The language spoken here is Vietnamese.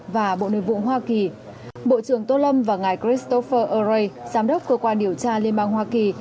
và bộ nguyên vụ hoa kỳ bộ trưởng tô lâm và ngài christopher o reilly giám đốc cơ quan điều tra liên bang hoa kỳ